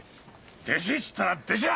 弟子っつったら弟子だ！